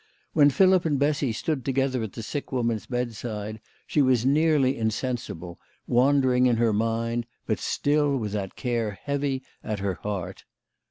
When Philip and Bessy stood together at the sick woman's bedside she was nearly insensible, wandering in her mind, but still with that care heavy at her heart.